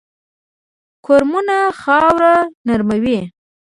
کرمونه خاوره نرموي